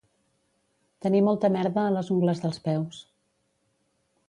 Tenir molta merda a les ungles dels peus